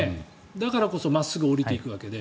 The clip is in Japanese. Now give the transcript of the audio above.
だからこそ真っすぐ降りていくわけで。